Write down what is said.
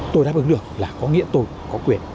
tôi đáp ứng được là có nghĩa tôi có quyền